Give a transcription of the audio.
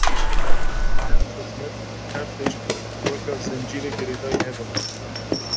her xîzmet her tişt weka zincîrê girêdayî hev in.